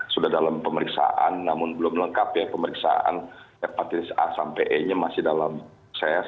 sudah dalam pemeriksaan namun belum lengkap ya pemeriksaan hepatitis a sampai e nya masih dalam ses